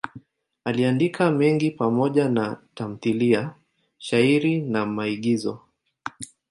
Aliandika mengi pamoja na tamthiliya, shairi na maigizo.